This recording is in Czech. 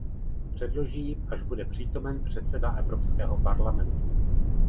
Předloží ji, až bude přítomen předseda Evropského parlamentu.